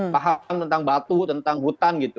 paham tentang batu tentang hutan gitu